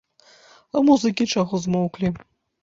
А музыкі чаго змоўклі?!.